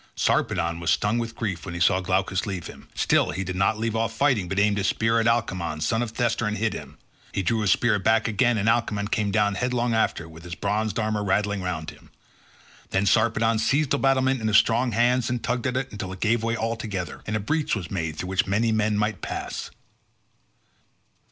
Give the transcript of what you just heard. Sarpedon was stung with grief when he saw Glaucus leave him, still he did not leave off fighting, but aimed his spear at Alcmaon the son of Thestor and hit him. He drew his spear back again and Alcmaon came down headlong after it with his bronzed armour rattling round him. Then Sarpedon seized the battlement in his strong hands, and tugged at it till it all gave way together, and a breach was made through which many might pass.